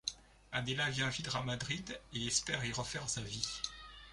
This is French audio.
Adela vient vivre à Madrid et espère y refaire sa vie.